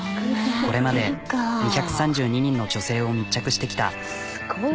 これまで２３２人の女性を密着してきた。